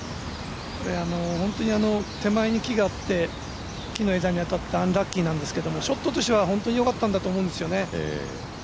本当に手前に木があって木の枝に当たってアンラッキーなんですけど、ショットとしては本当によかったと思うんですよね。